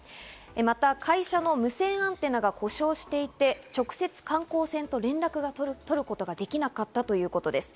また会社の無線アンテナが故障していて、直接観光船と連絡を取ることができなかったということです。